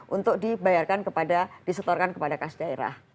untuk dibayarkan kepada disetorkan kepada kas daerah